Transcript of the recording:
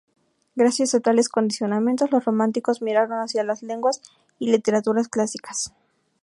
Gracias a tales condicionamientos, los románticos miraron hacia las lenguas y literaturas clásicas.